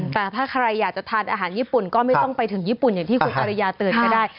แต่ถ้าใครอยากจะทานอาหารญี่ปุ่นก็ไม่ต้องไปถึงญี่ปุ่นอย่างที่คุณอริยาเตือนก็ได้